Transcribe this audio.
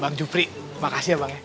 bang jupri makasih ya bang